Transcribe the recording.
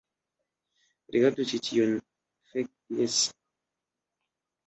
Rigardu ĉi tion. Fek, jes.